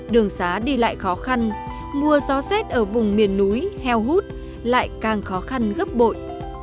đường xá đi lại khó khăn mùa gió xét ở vùng miền núi heo hút lại càng khó khăn gấp bội